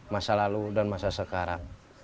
masa lalu dan masa sekarang